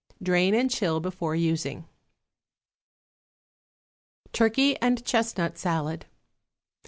Drain and chill before using. =Turkey and Chestnut Salad.